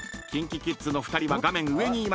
［ＫｉｎＫｉＫｉｄｓの２人は画面上にいます］